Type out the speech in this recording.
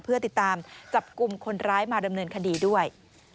เพื่อติดตามจับกลุ่มคนร้ายมาดำเนินคดีด้วย